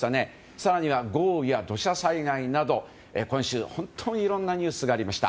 更には豪雨や土砂災害など今週、本当にいろんなニュースがありました。